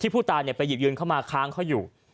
ผู้ตายไปหยิบยืนเข้ามาค้างเขาอยู่